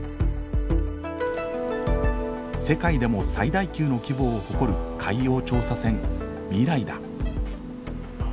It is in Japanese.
世界でも最大級の規模を誇る海洋調査船みらいだ。